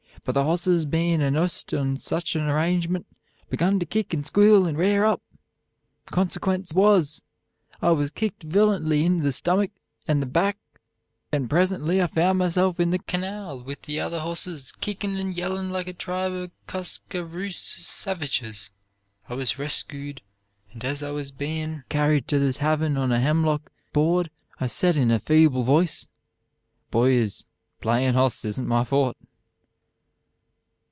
But the hosses bein' onused to such a arrangemunt, begun to kick and squeal and rair up. Konsequents was, I was kicked vilently in the stummuck and back, and presently, I found myself in the kanawl with the other hosses, kikin and yellin like a tribe of Cusscaroorus savajis. I was rescood, and as I was bein carried to the tavern on a hemlock bored I sed in a feeble voice, 'Boys, playin' hoss isn't my Fort.'